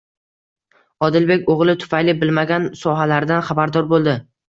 Odilbek o'g'li tufayli bilmagan sohalaridan xabardor bo'ldi